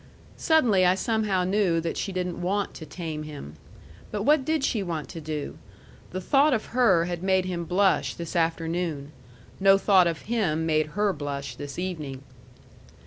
Suddenly I somehow knew that she didn't want to tame him. But what did she want to do? The thought of her had made him blush this afternoon. No thought of him made her blush this evening.